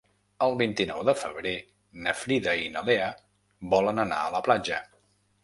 El vint-i-nou de febrer na Frida i na Lea volen anar a la platja.